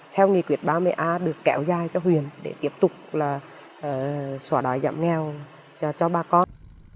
theo nghị quyết ba mươi a được kéo dài cho huyện để tiếp tục là xóa đói giảm nghèo cho bà con